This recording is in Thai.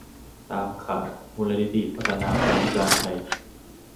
ตามข่าว มูลนิธิพัฒนาคนพิการไทย